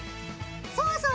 そうそう！